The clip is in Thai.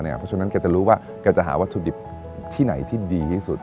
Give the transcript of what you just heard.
เพราะฉะนั้นแกจะรู้ว่าแกจะหาวัตถุดิบที่ไหนที่ดีที่สุด